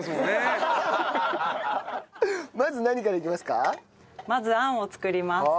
まず何からいきますか？